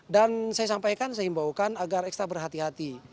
dan saya sampaikan saya imbaukan agar ekstra berhati hati